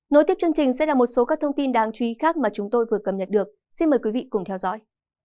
nối tiếp chương trình sẽ là một số các thông tin đáng chú ý khác mà chúng tôi vừa cập nhật được xin mời quý vị cùng theo dõi